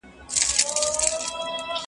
ايا ته ځواب ليکې،